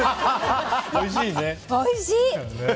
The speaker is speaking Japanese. おいしいね。